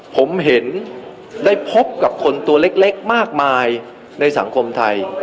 ผมเห็นได้พบกับคนตัวเล็กมากมายในสังคมไทย